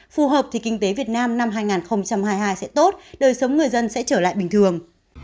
phù hợp thì kinh tế việt nam năm hai nghìn hai mươi hai sẽ tốt đời sống người dân sẽ trở lại bình thường